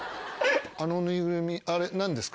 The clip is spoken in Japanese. あの縫いぐるみ何ですか？